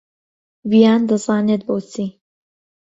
ڤیان دەزانێت بۆچی.